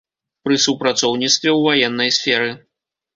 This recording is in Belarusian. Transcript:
Пры супрацоўніцтве ў ваеннай сферы.